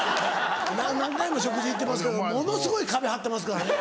何回も食事行ってますけどものすごい壁張ってますからね。